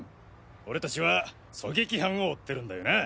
俺たちは狙撃犯を追ってるんだよな？